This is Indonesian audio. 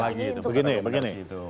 nah salah lagi itu begini begini